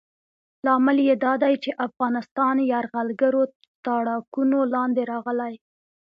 لامل یې دا دی چې افغانستان یرغلګرو تاړاکونو لاندې راغلی.